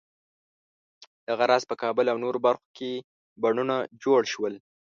دغه راز په کابل او نورو برخو کې بڼونه جوړ شول.